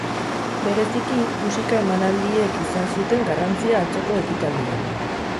Bereziki, musika emanaldiek izan zuten garrantzia atzoko ekitaldian.